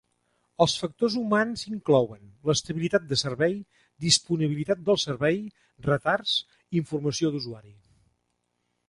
Els factors humans inclouen: l'estabilitat de servei, disponibilitat del servei, retards, informació d'usuari.